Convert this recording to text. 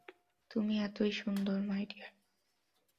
তুমি এতই সুন্দর, মাই ডিয়ার।